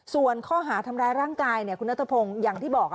ส่วนข้อหาทำร้ายร่างกายคุณนัทพงศ์อย่างที่บอก